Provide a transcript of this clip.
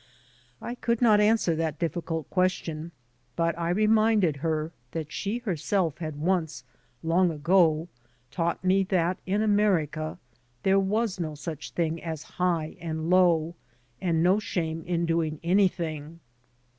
I could not answer that difficult question, but I reminded her that she herself had Once long ago taught me that in America there was no such thing as high and low, and no shame in doing anything.